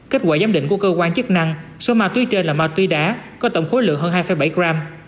kết quả giám định của cơ quan chức năng số ma túy trên là ma túy đá có tổng khối lượng hơn hai bảy gram